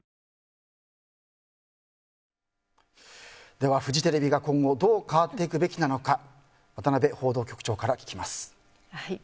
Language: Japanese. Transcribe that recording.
では、フジテレビが今後どう変わっていくべきなのか渡邉報道局長から聞きます。